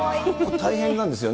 大変なんですよね。